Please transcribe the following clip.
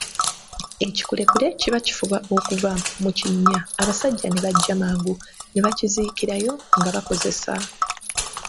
Ekikulekule kiba kifuba okuva mu kinnya, abasajja ne bajja mangu ne bakiziikirayo nga bakozesa.